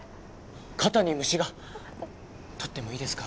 肩に虫が取ってもいいですか？